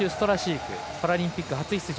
パラリンピック初出場。